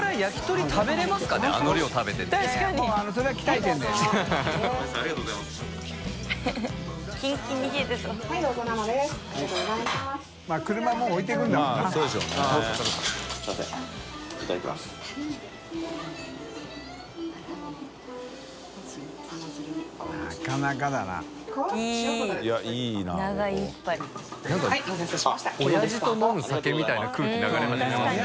風間）なんかおやじと飲む酒みたいな空気流れ始めましたよね